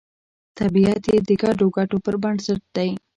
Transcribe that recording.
طبیعت یې د ګډو ګټو پر بنسټ دی